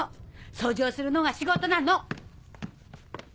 掃除をするのが仕事なの！